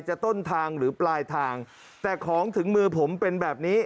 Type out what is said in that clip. ต้นทางหรือปลายทางแต่ของถึงมือผมเป็นแบบนี้